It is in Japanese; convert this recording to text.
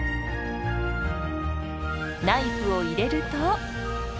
ナイフを入れると。